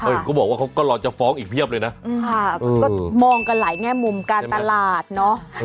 เขาบอกว่าเขาก็รอจะฟ้องอีกเพียบเลยนะค่ะก็มองกันหลายแง่มุมการตลาดเนอะ